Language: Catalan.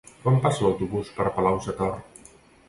Quan passa l'autobús per Palau-sator?